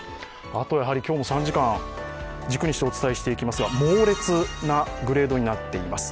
あと、今日も３時間、軸にしてお伝えしていきますが猛烈なグレードになっています。